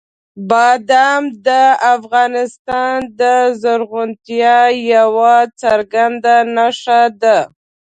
بادام د افغانستان د زرغونتیا یوه څرګنده نښه ده.